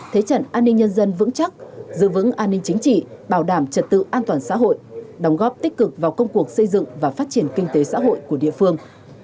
thế trận an ninh nhân dân vững chắc giữ vững an ninh chính trị bảo đảm trật tự an toàn xã hội đóng góp tích cực vào công cuộc xây dựng và phát triển kinh tế xã hội của địa phương